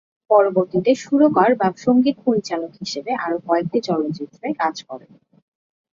পরবর্তীতে সুরকার বা সঙ্গীত পরিচালক হিসেবে আরো কয়েকটি চলচ্চিত্রে কাজ করেন।